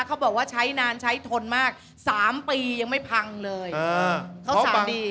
เขาบอกว่าใช้นานใช้ทนมากสามปียังไม่พังเลยเออเขาสามปี